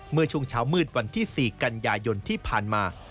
เมื่อช่วงเช้ามืดวันที่๔กันยายนที่ผ่านมา